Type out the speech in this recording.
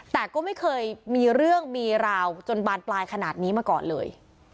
แต่ก็ไม่เคยมีเรื่องมีราวจนบานปลายขนาดนี้มาก่อนเลย